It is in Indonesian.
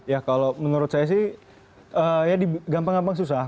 ya kalau menurut saya sih ya gampang gampang susah